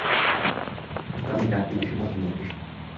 কিন্তু আমি এই চাঁদকে বেশি পছন্দ করি।